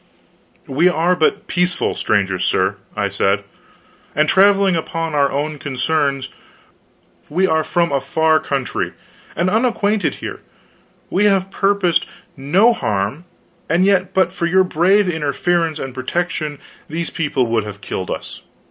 "We are but peaceful strangers, sir," I said, "and traveling upon our own concerns. We are from a far country, and unacquainted here. We have purposed no harm; and yet but for your brave interference and protection these people would have killed us.